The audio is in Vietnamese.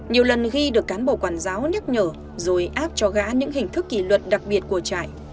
nhiều lần ghi được cán bộ quản giáo nhắc nhở rồi áp cho gã những hình thức kỷ luật đặc biệt của trại